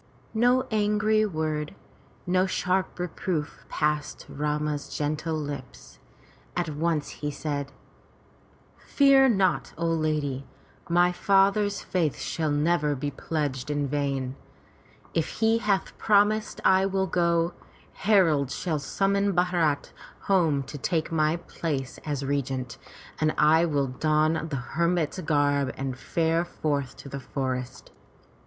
No angry word, no sharp reproof passed Rama's gentle lips. At once he said: "Fear not, O lady, my father's faith shall never be pledged in vain. If he hath promised I will go. Heralds shall summon Bharat home to take my place as regent, and I will don the hermit's garb and fare forth to the forest.